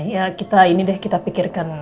ya kita ini deh kita pikirkan